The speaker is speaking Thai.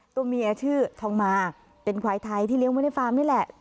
ตัวเมียชื่อทองมาเป็นควายไทยที่เลี้ยงไว้ในฟาร์มนี่แหละ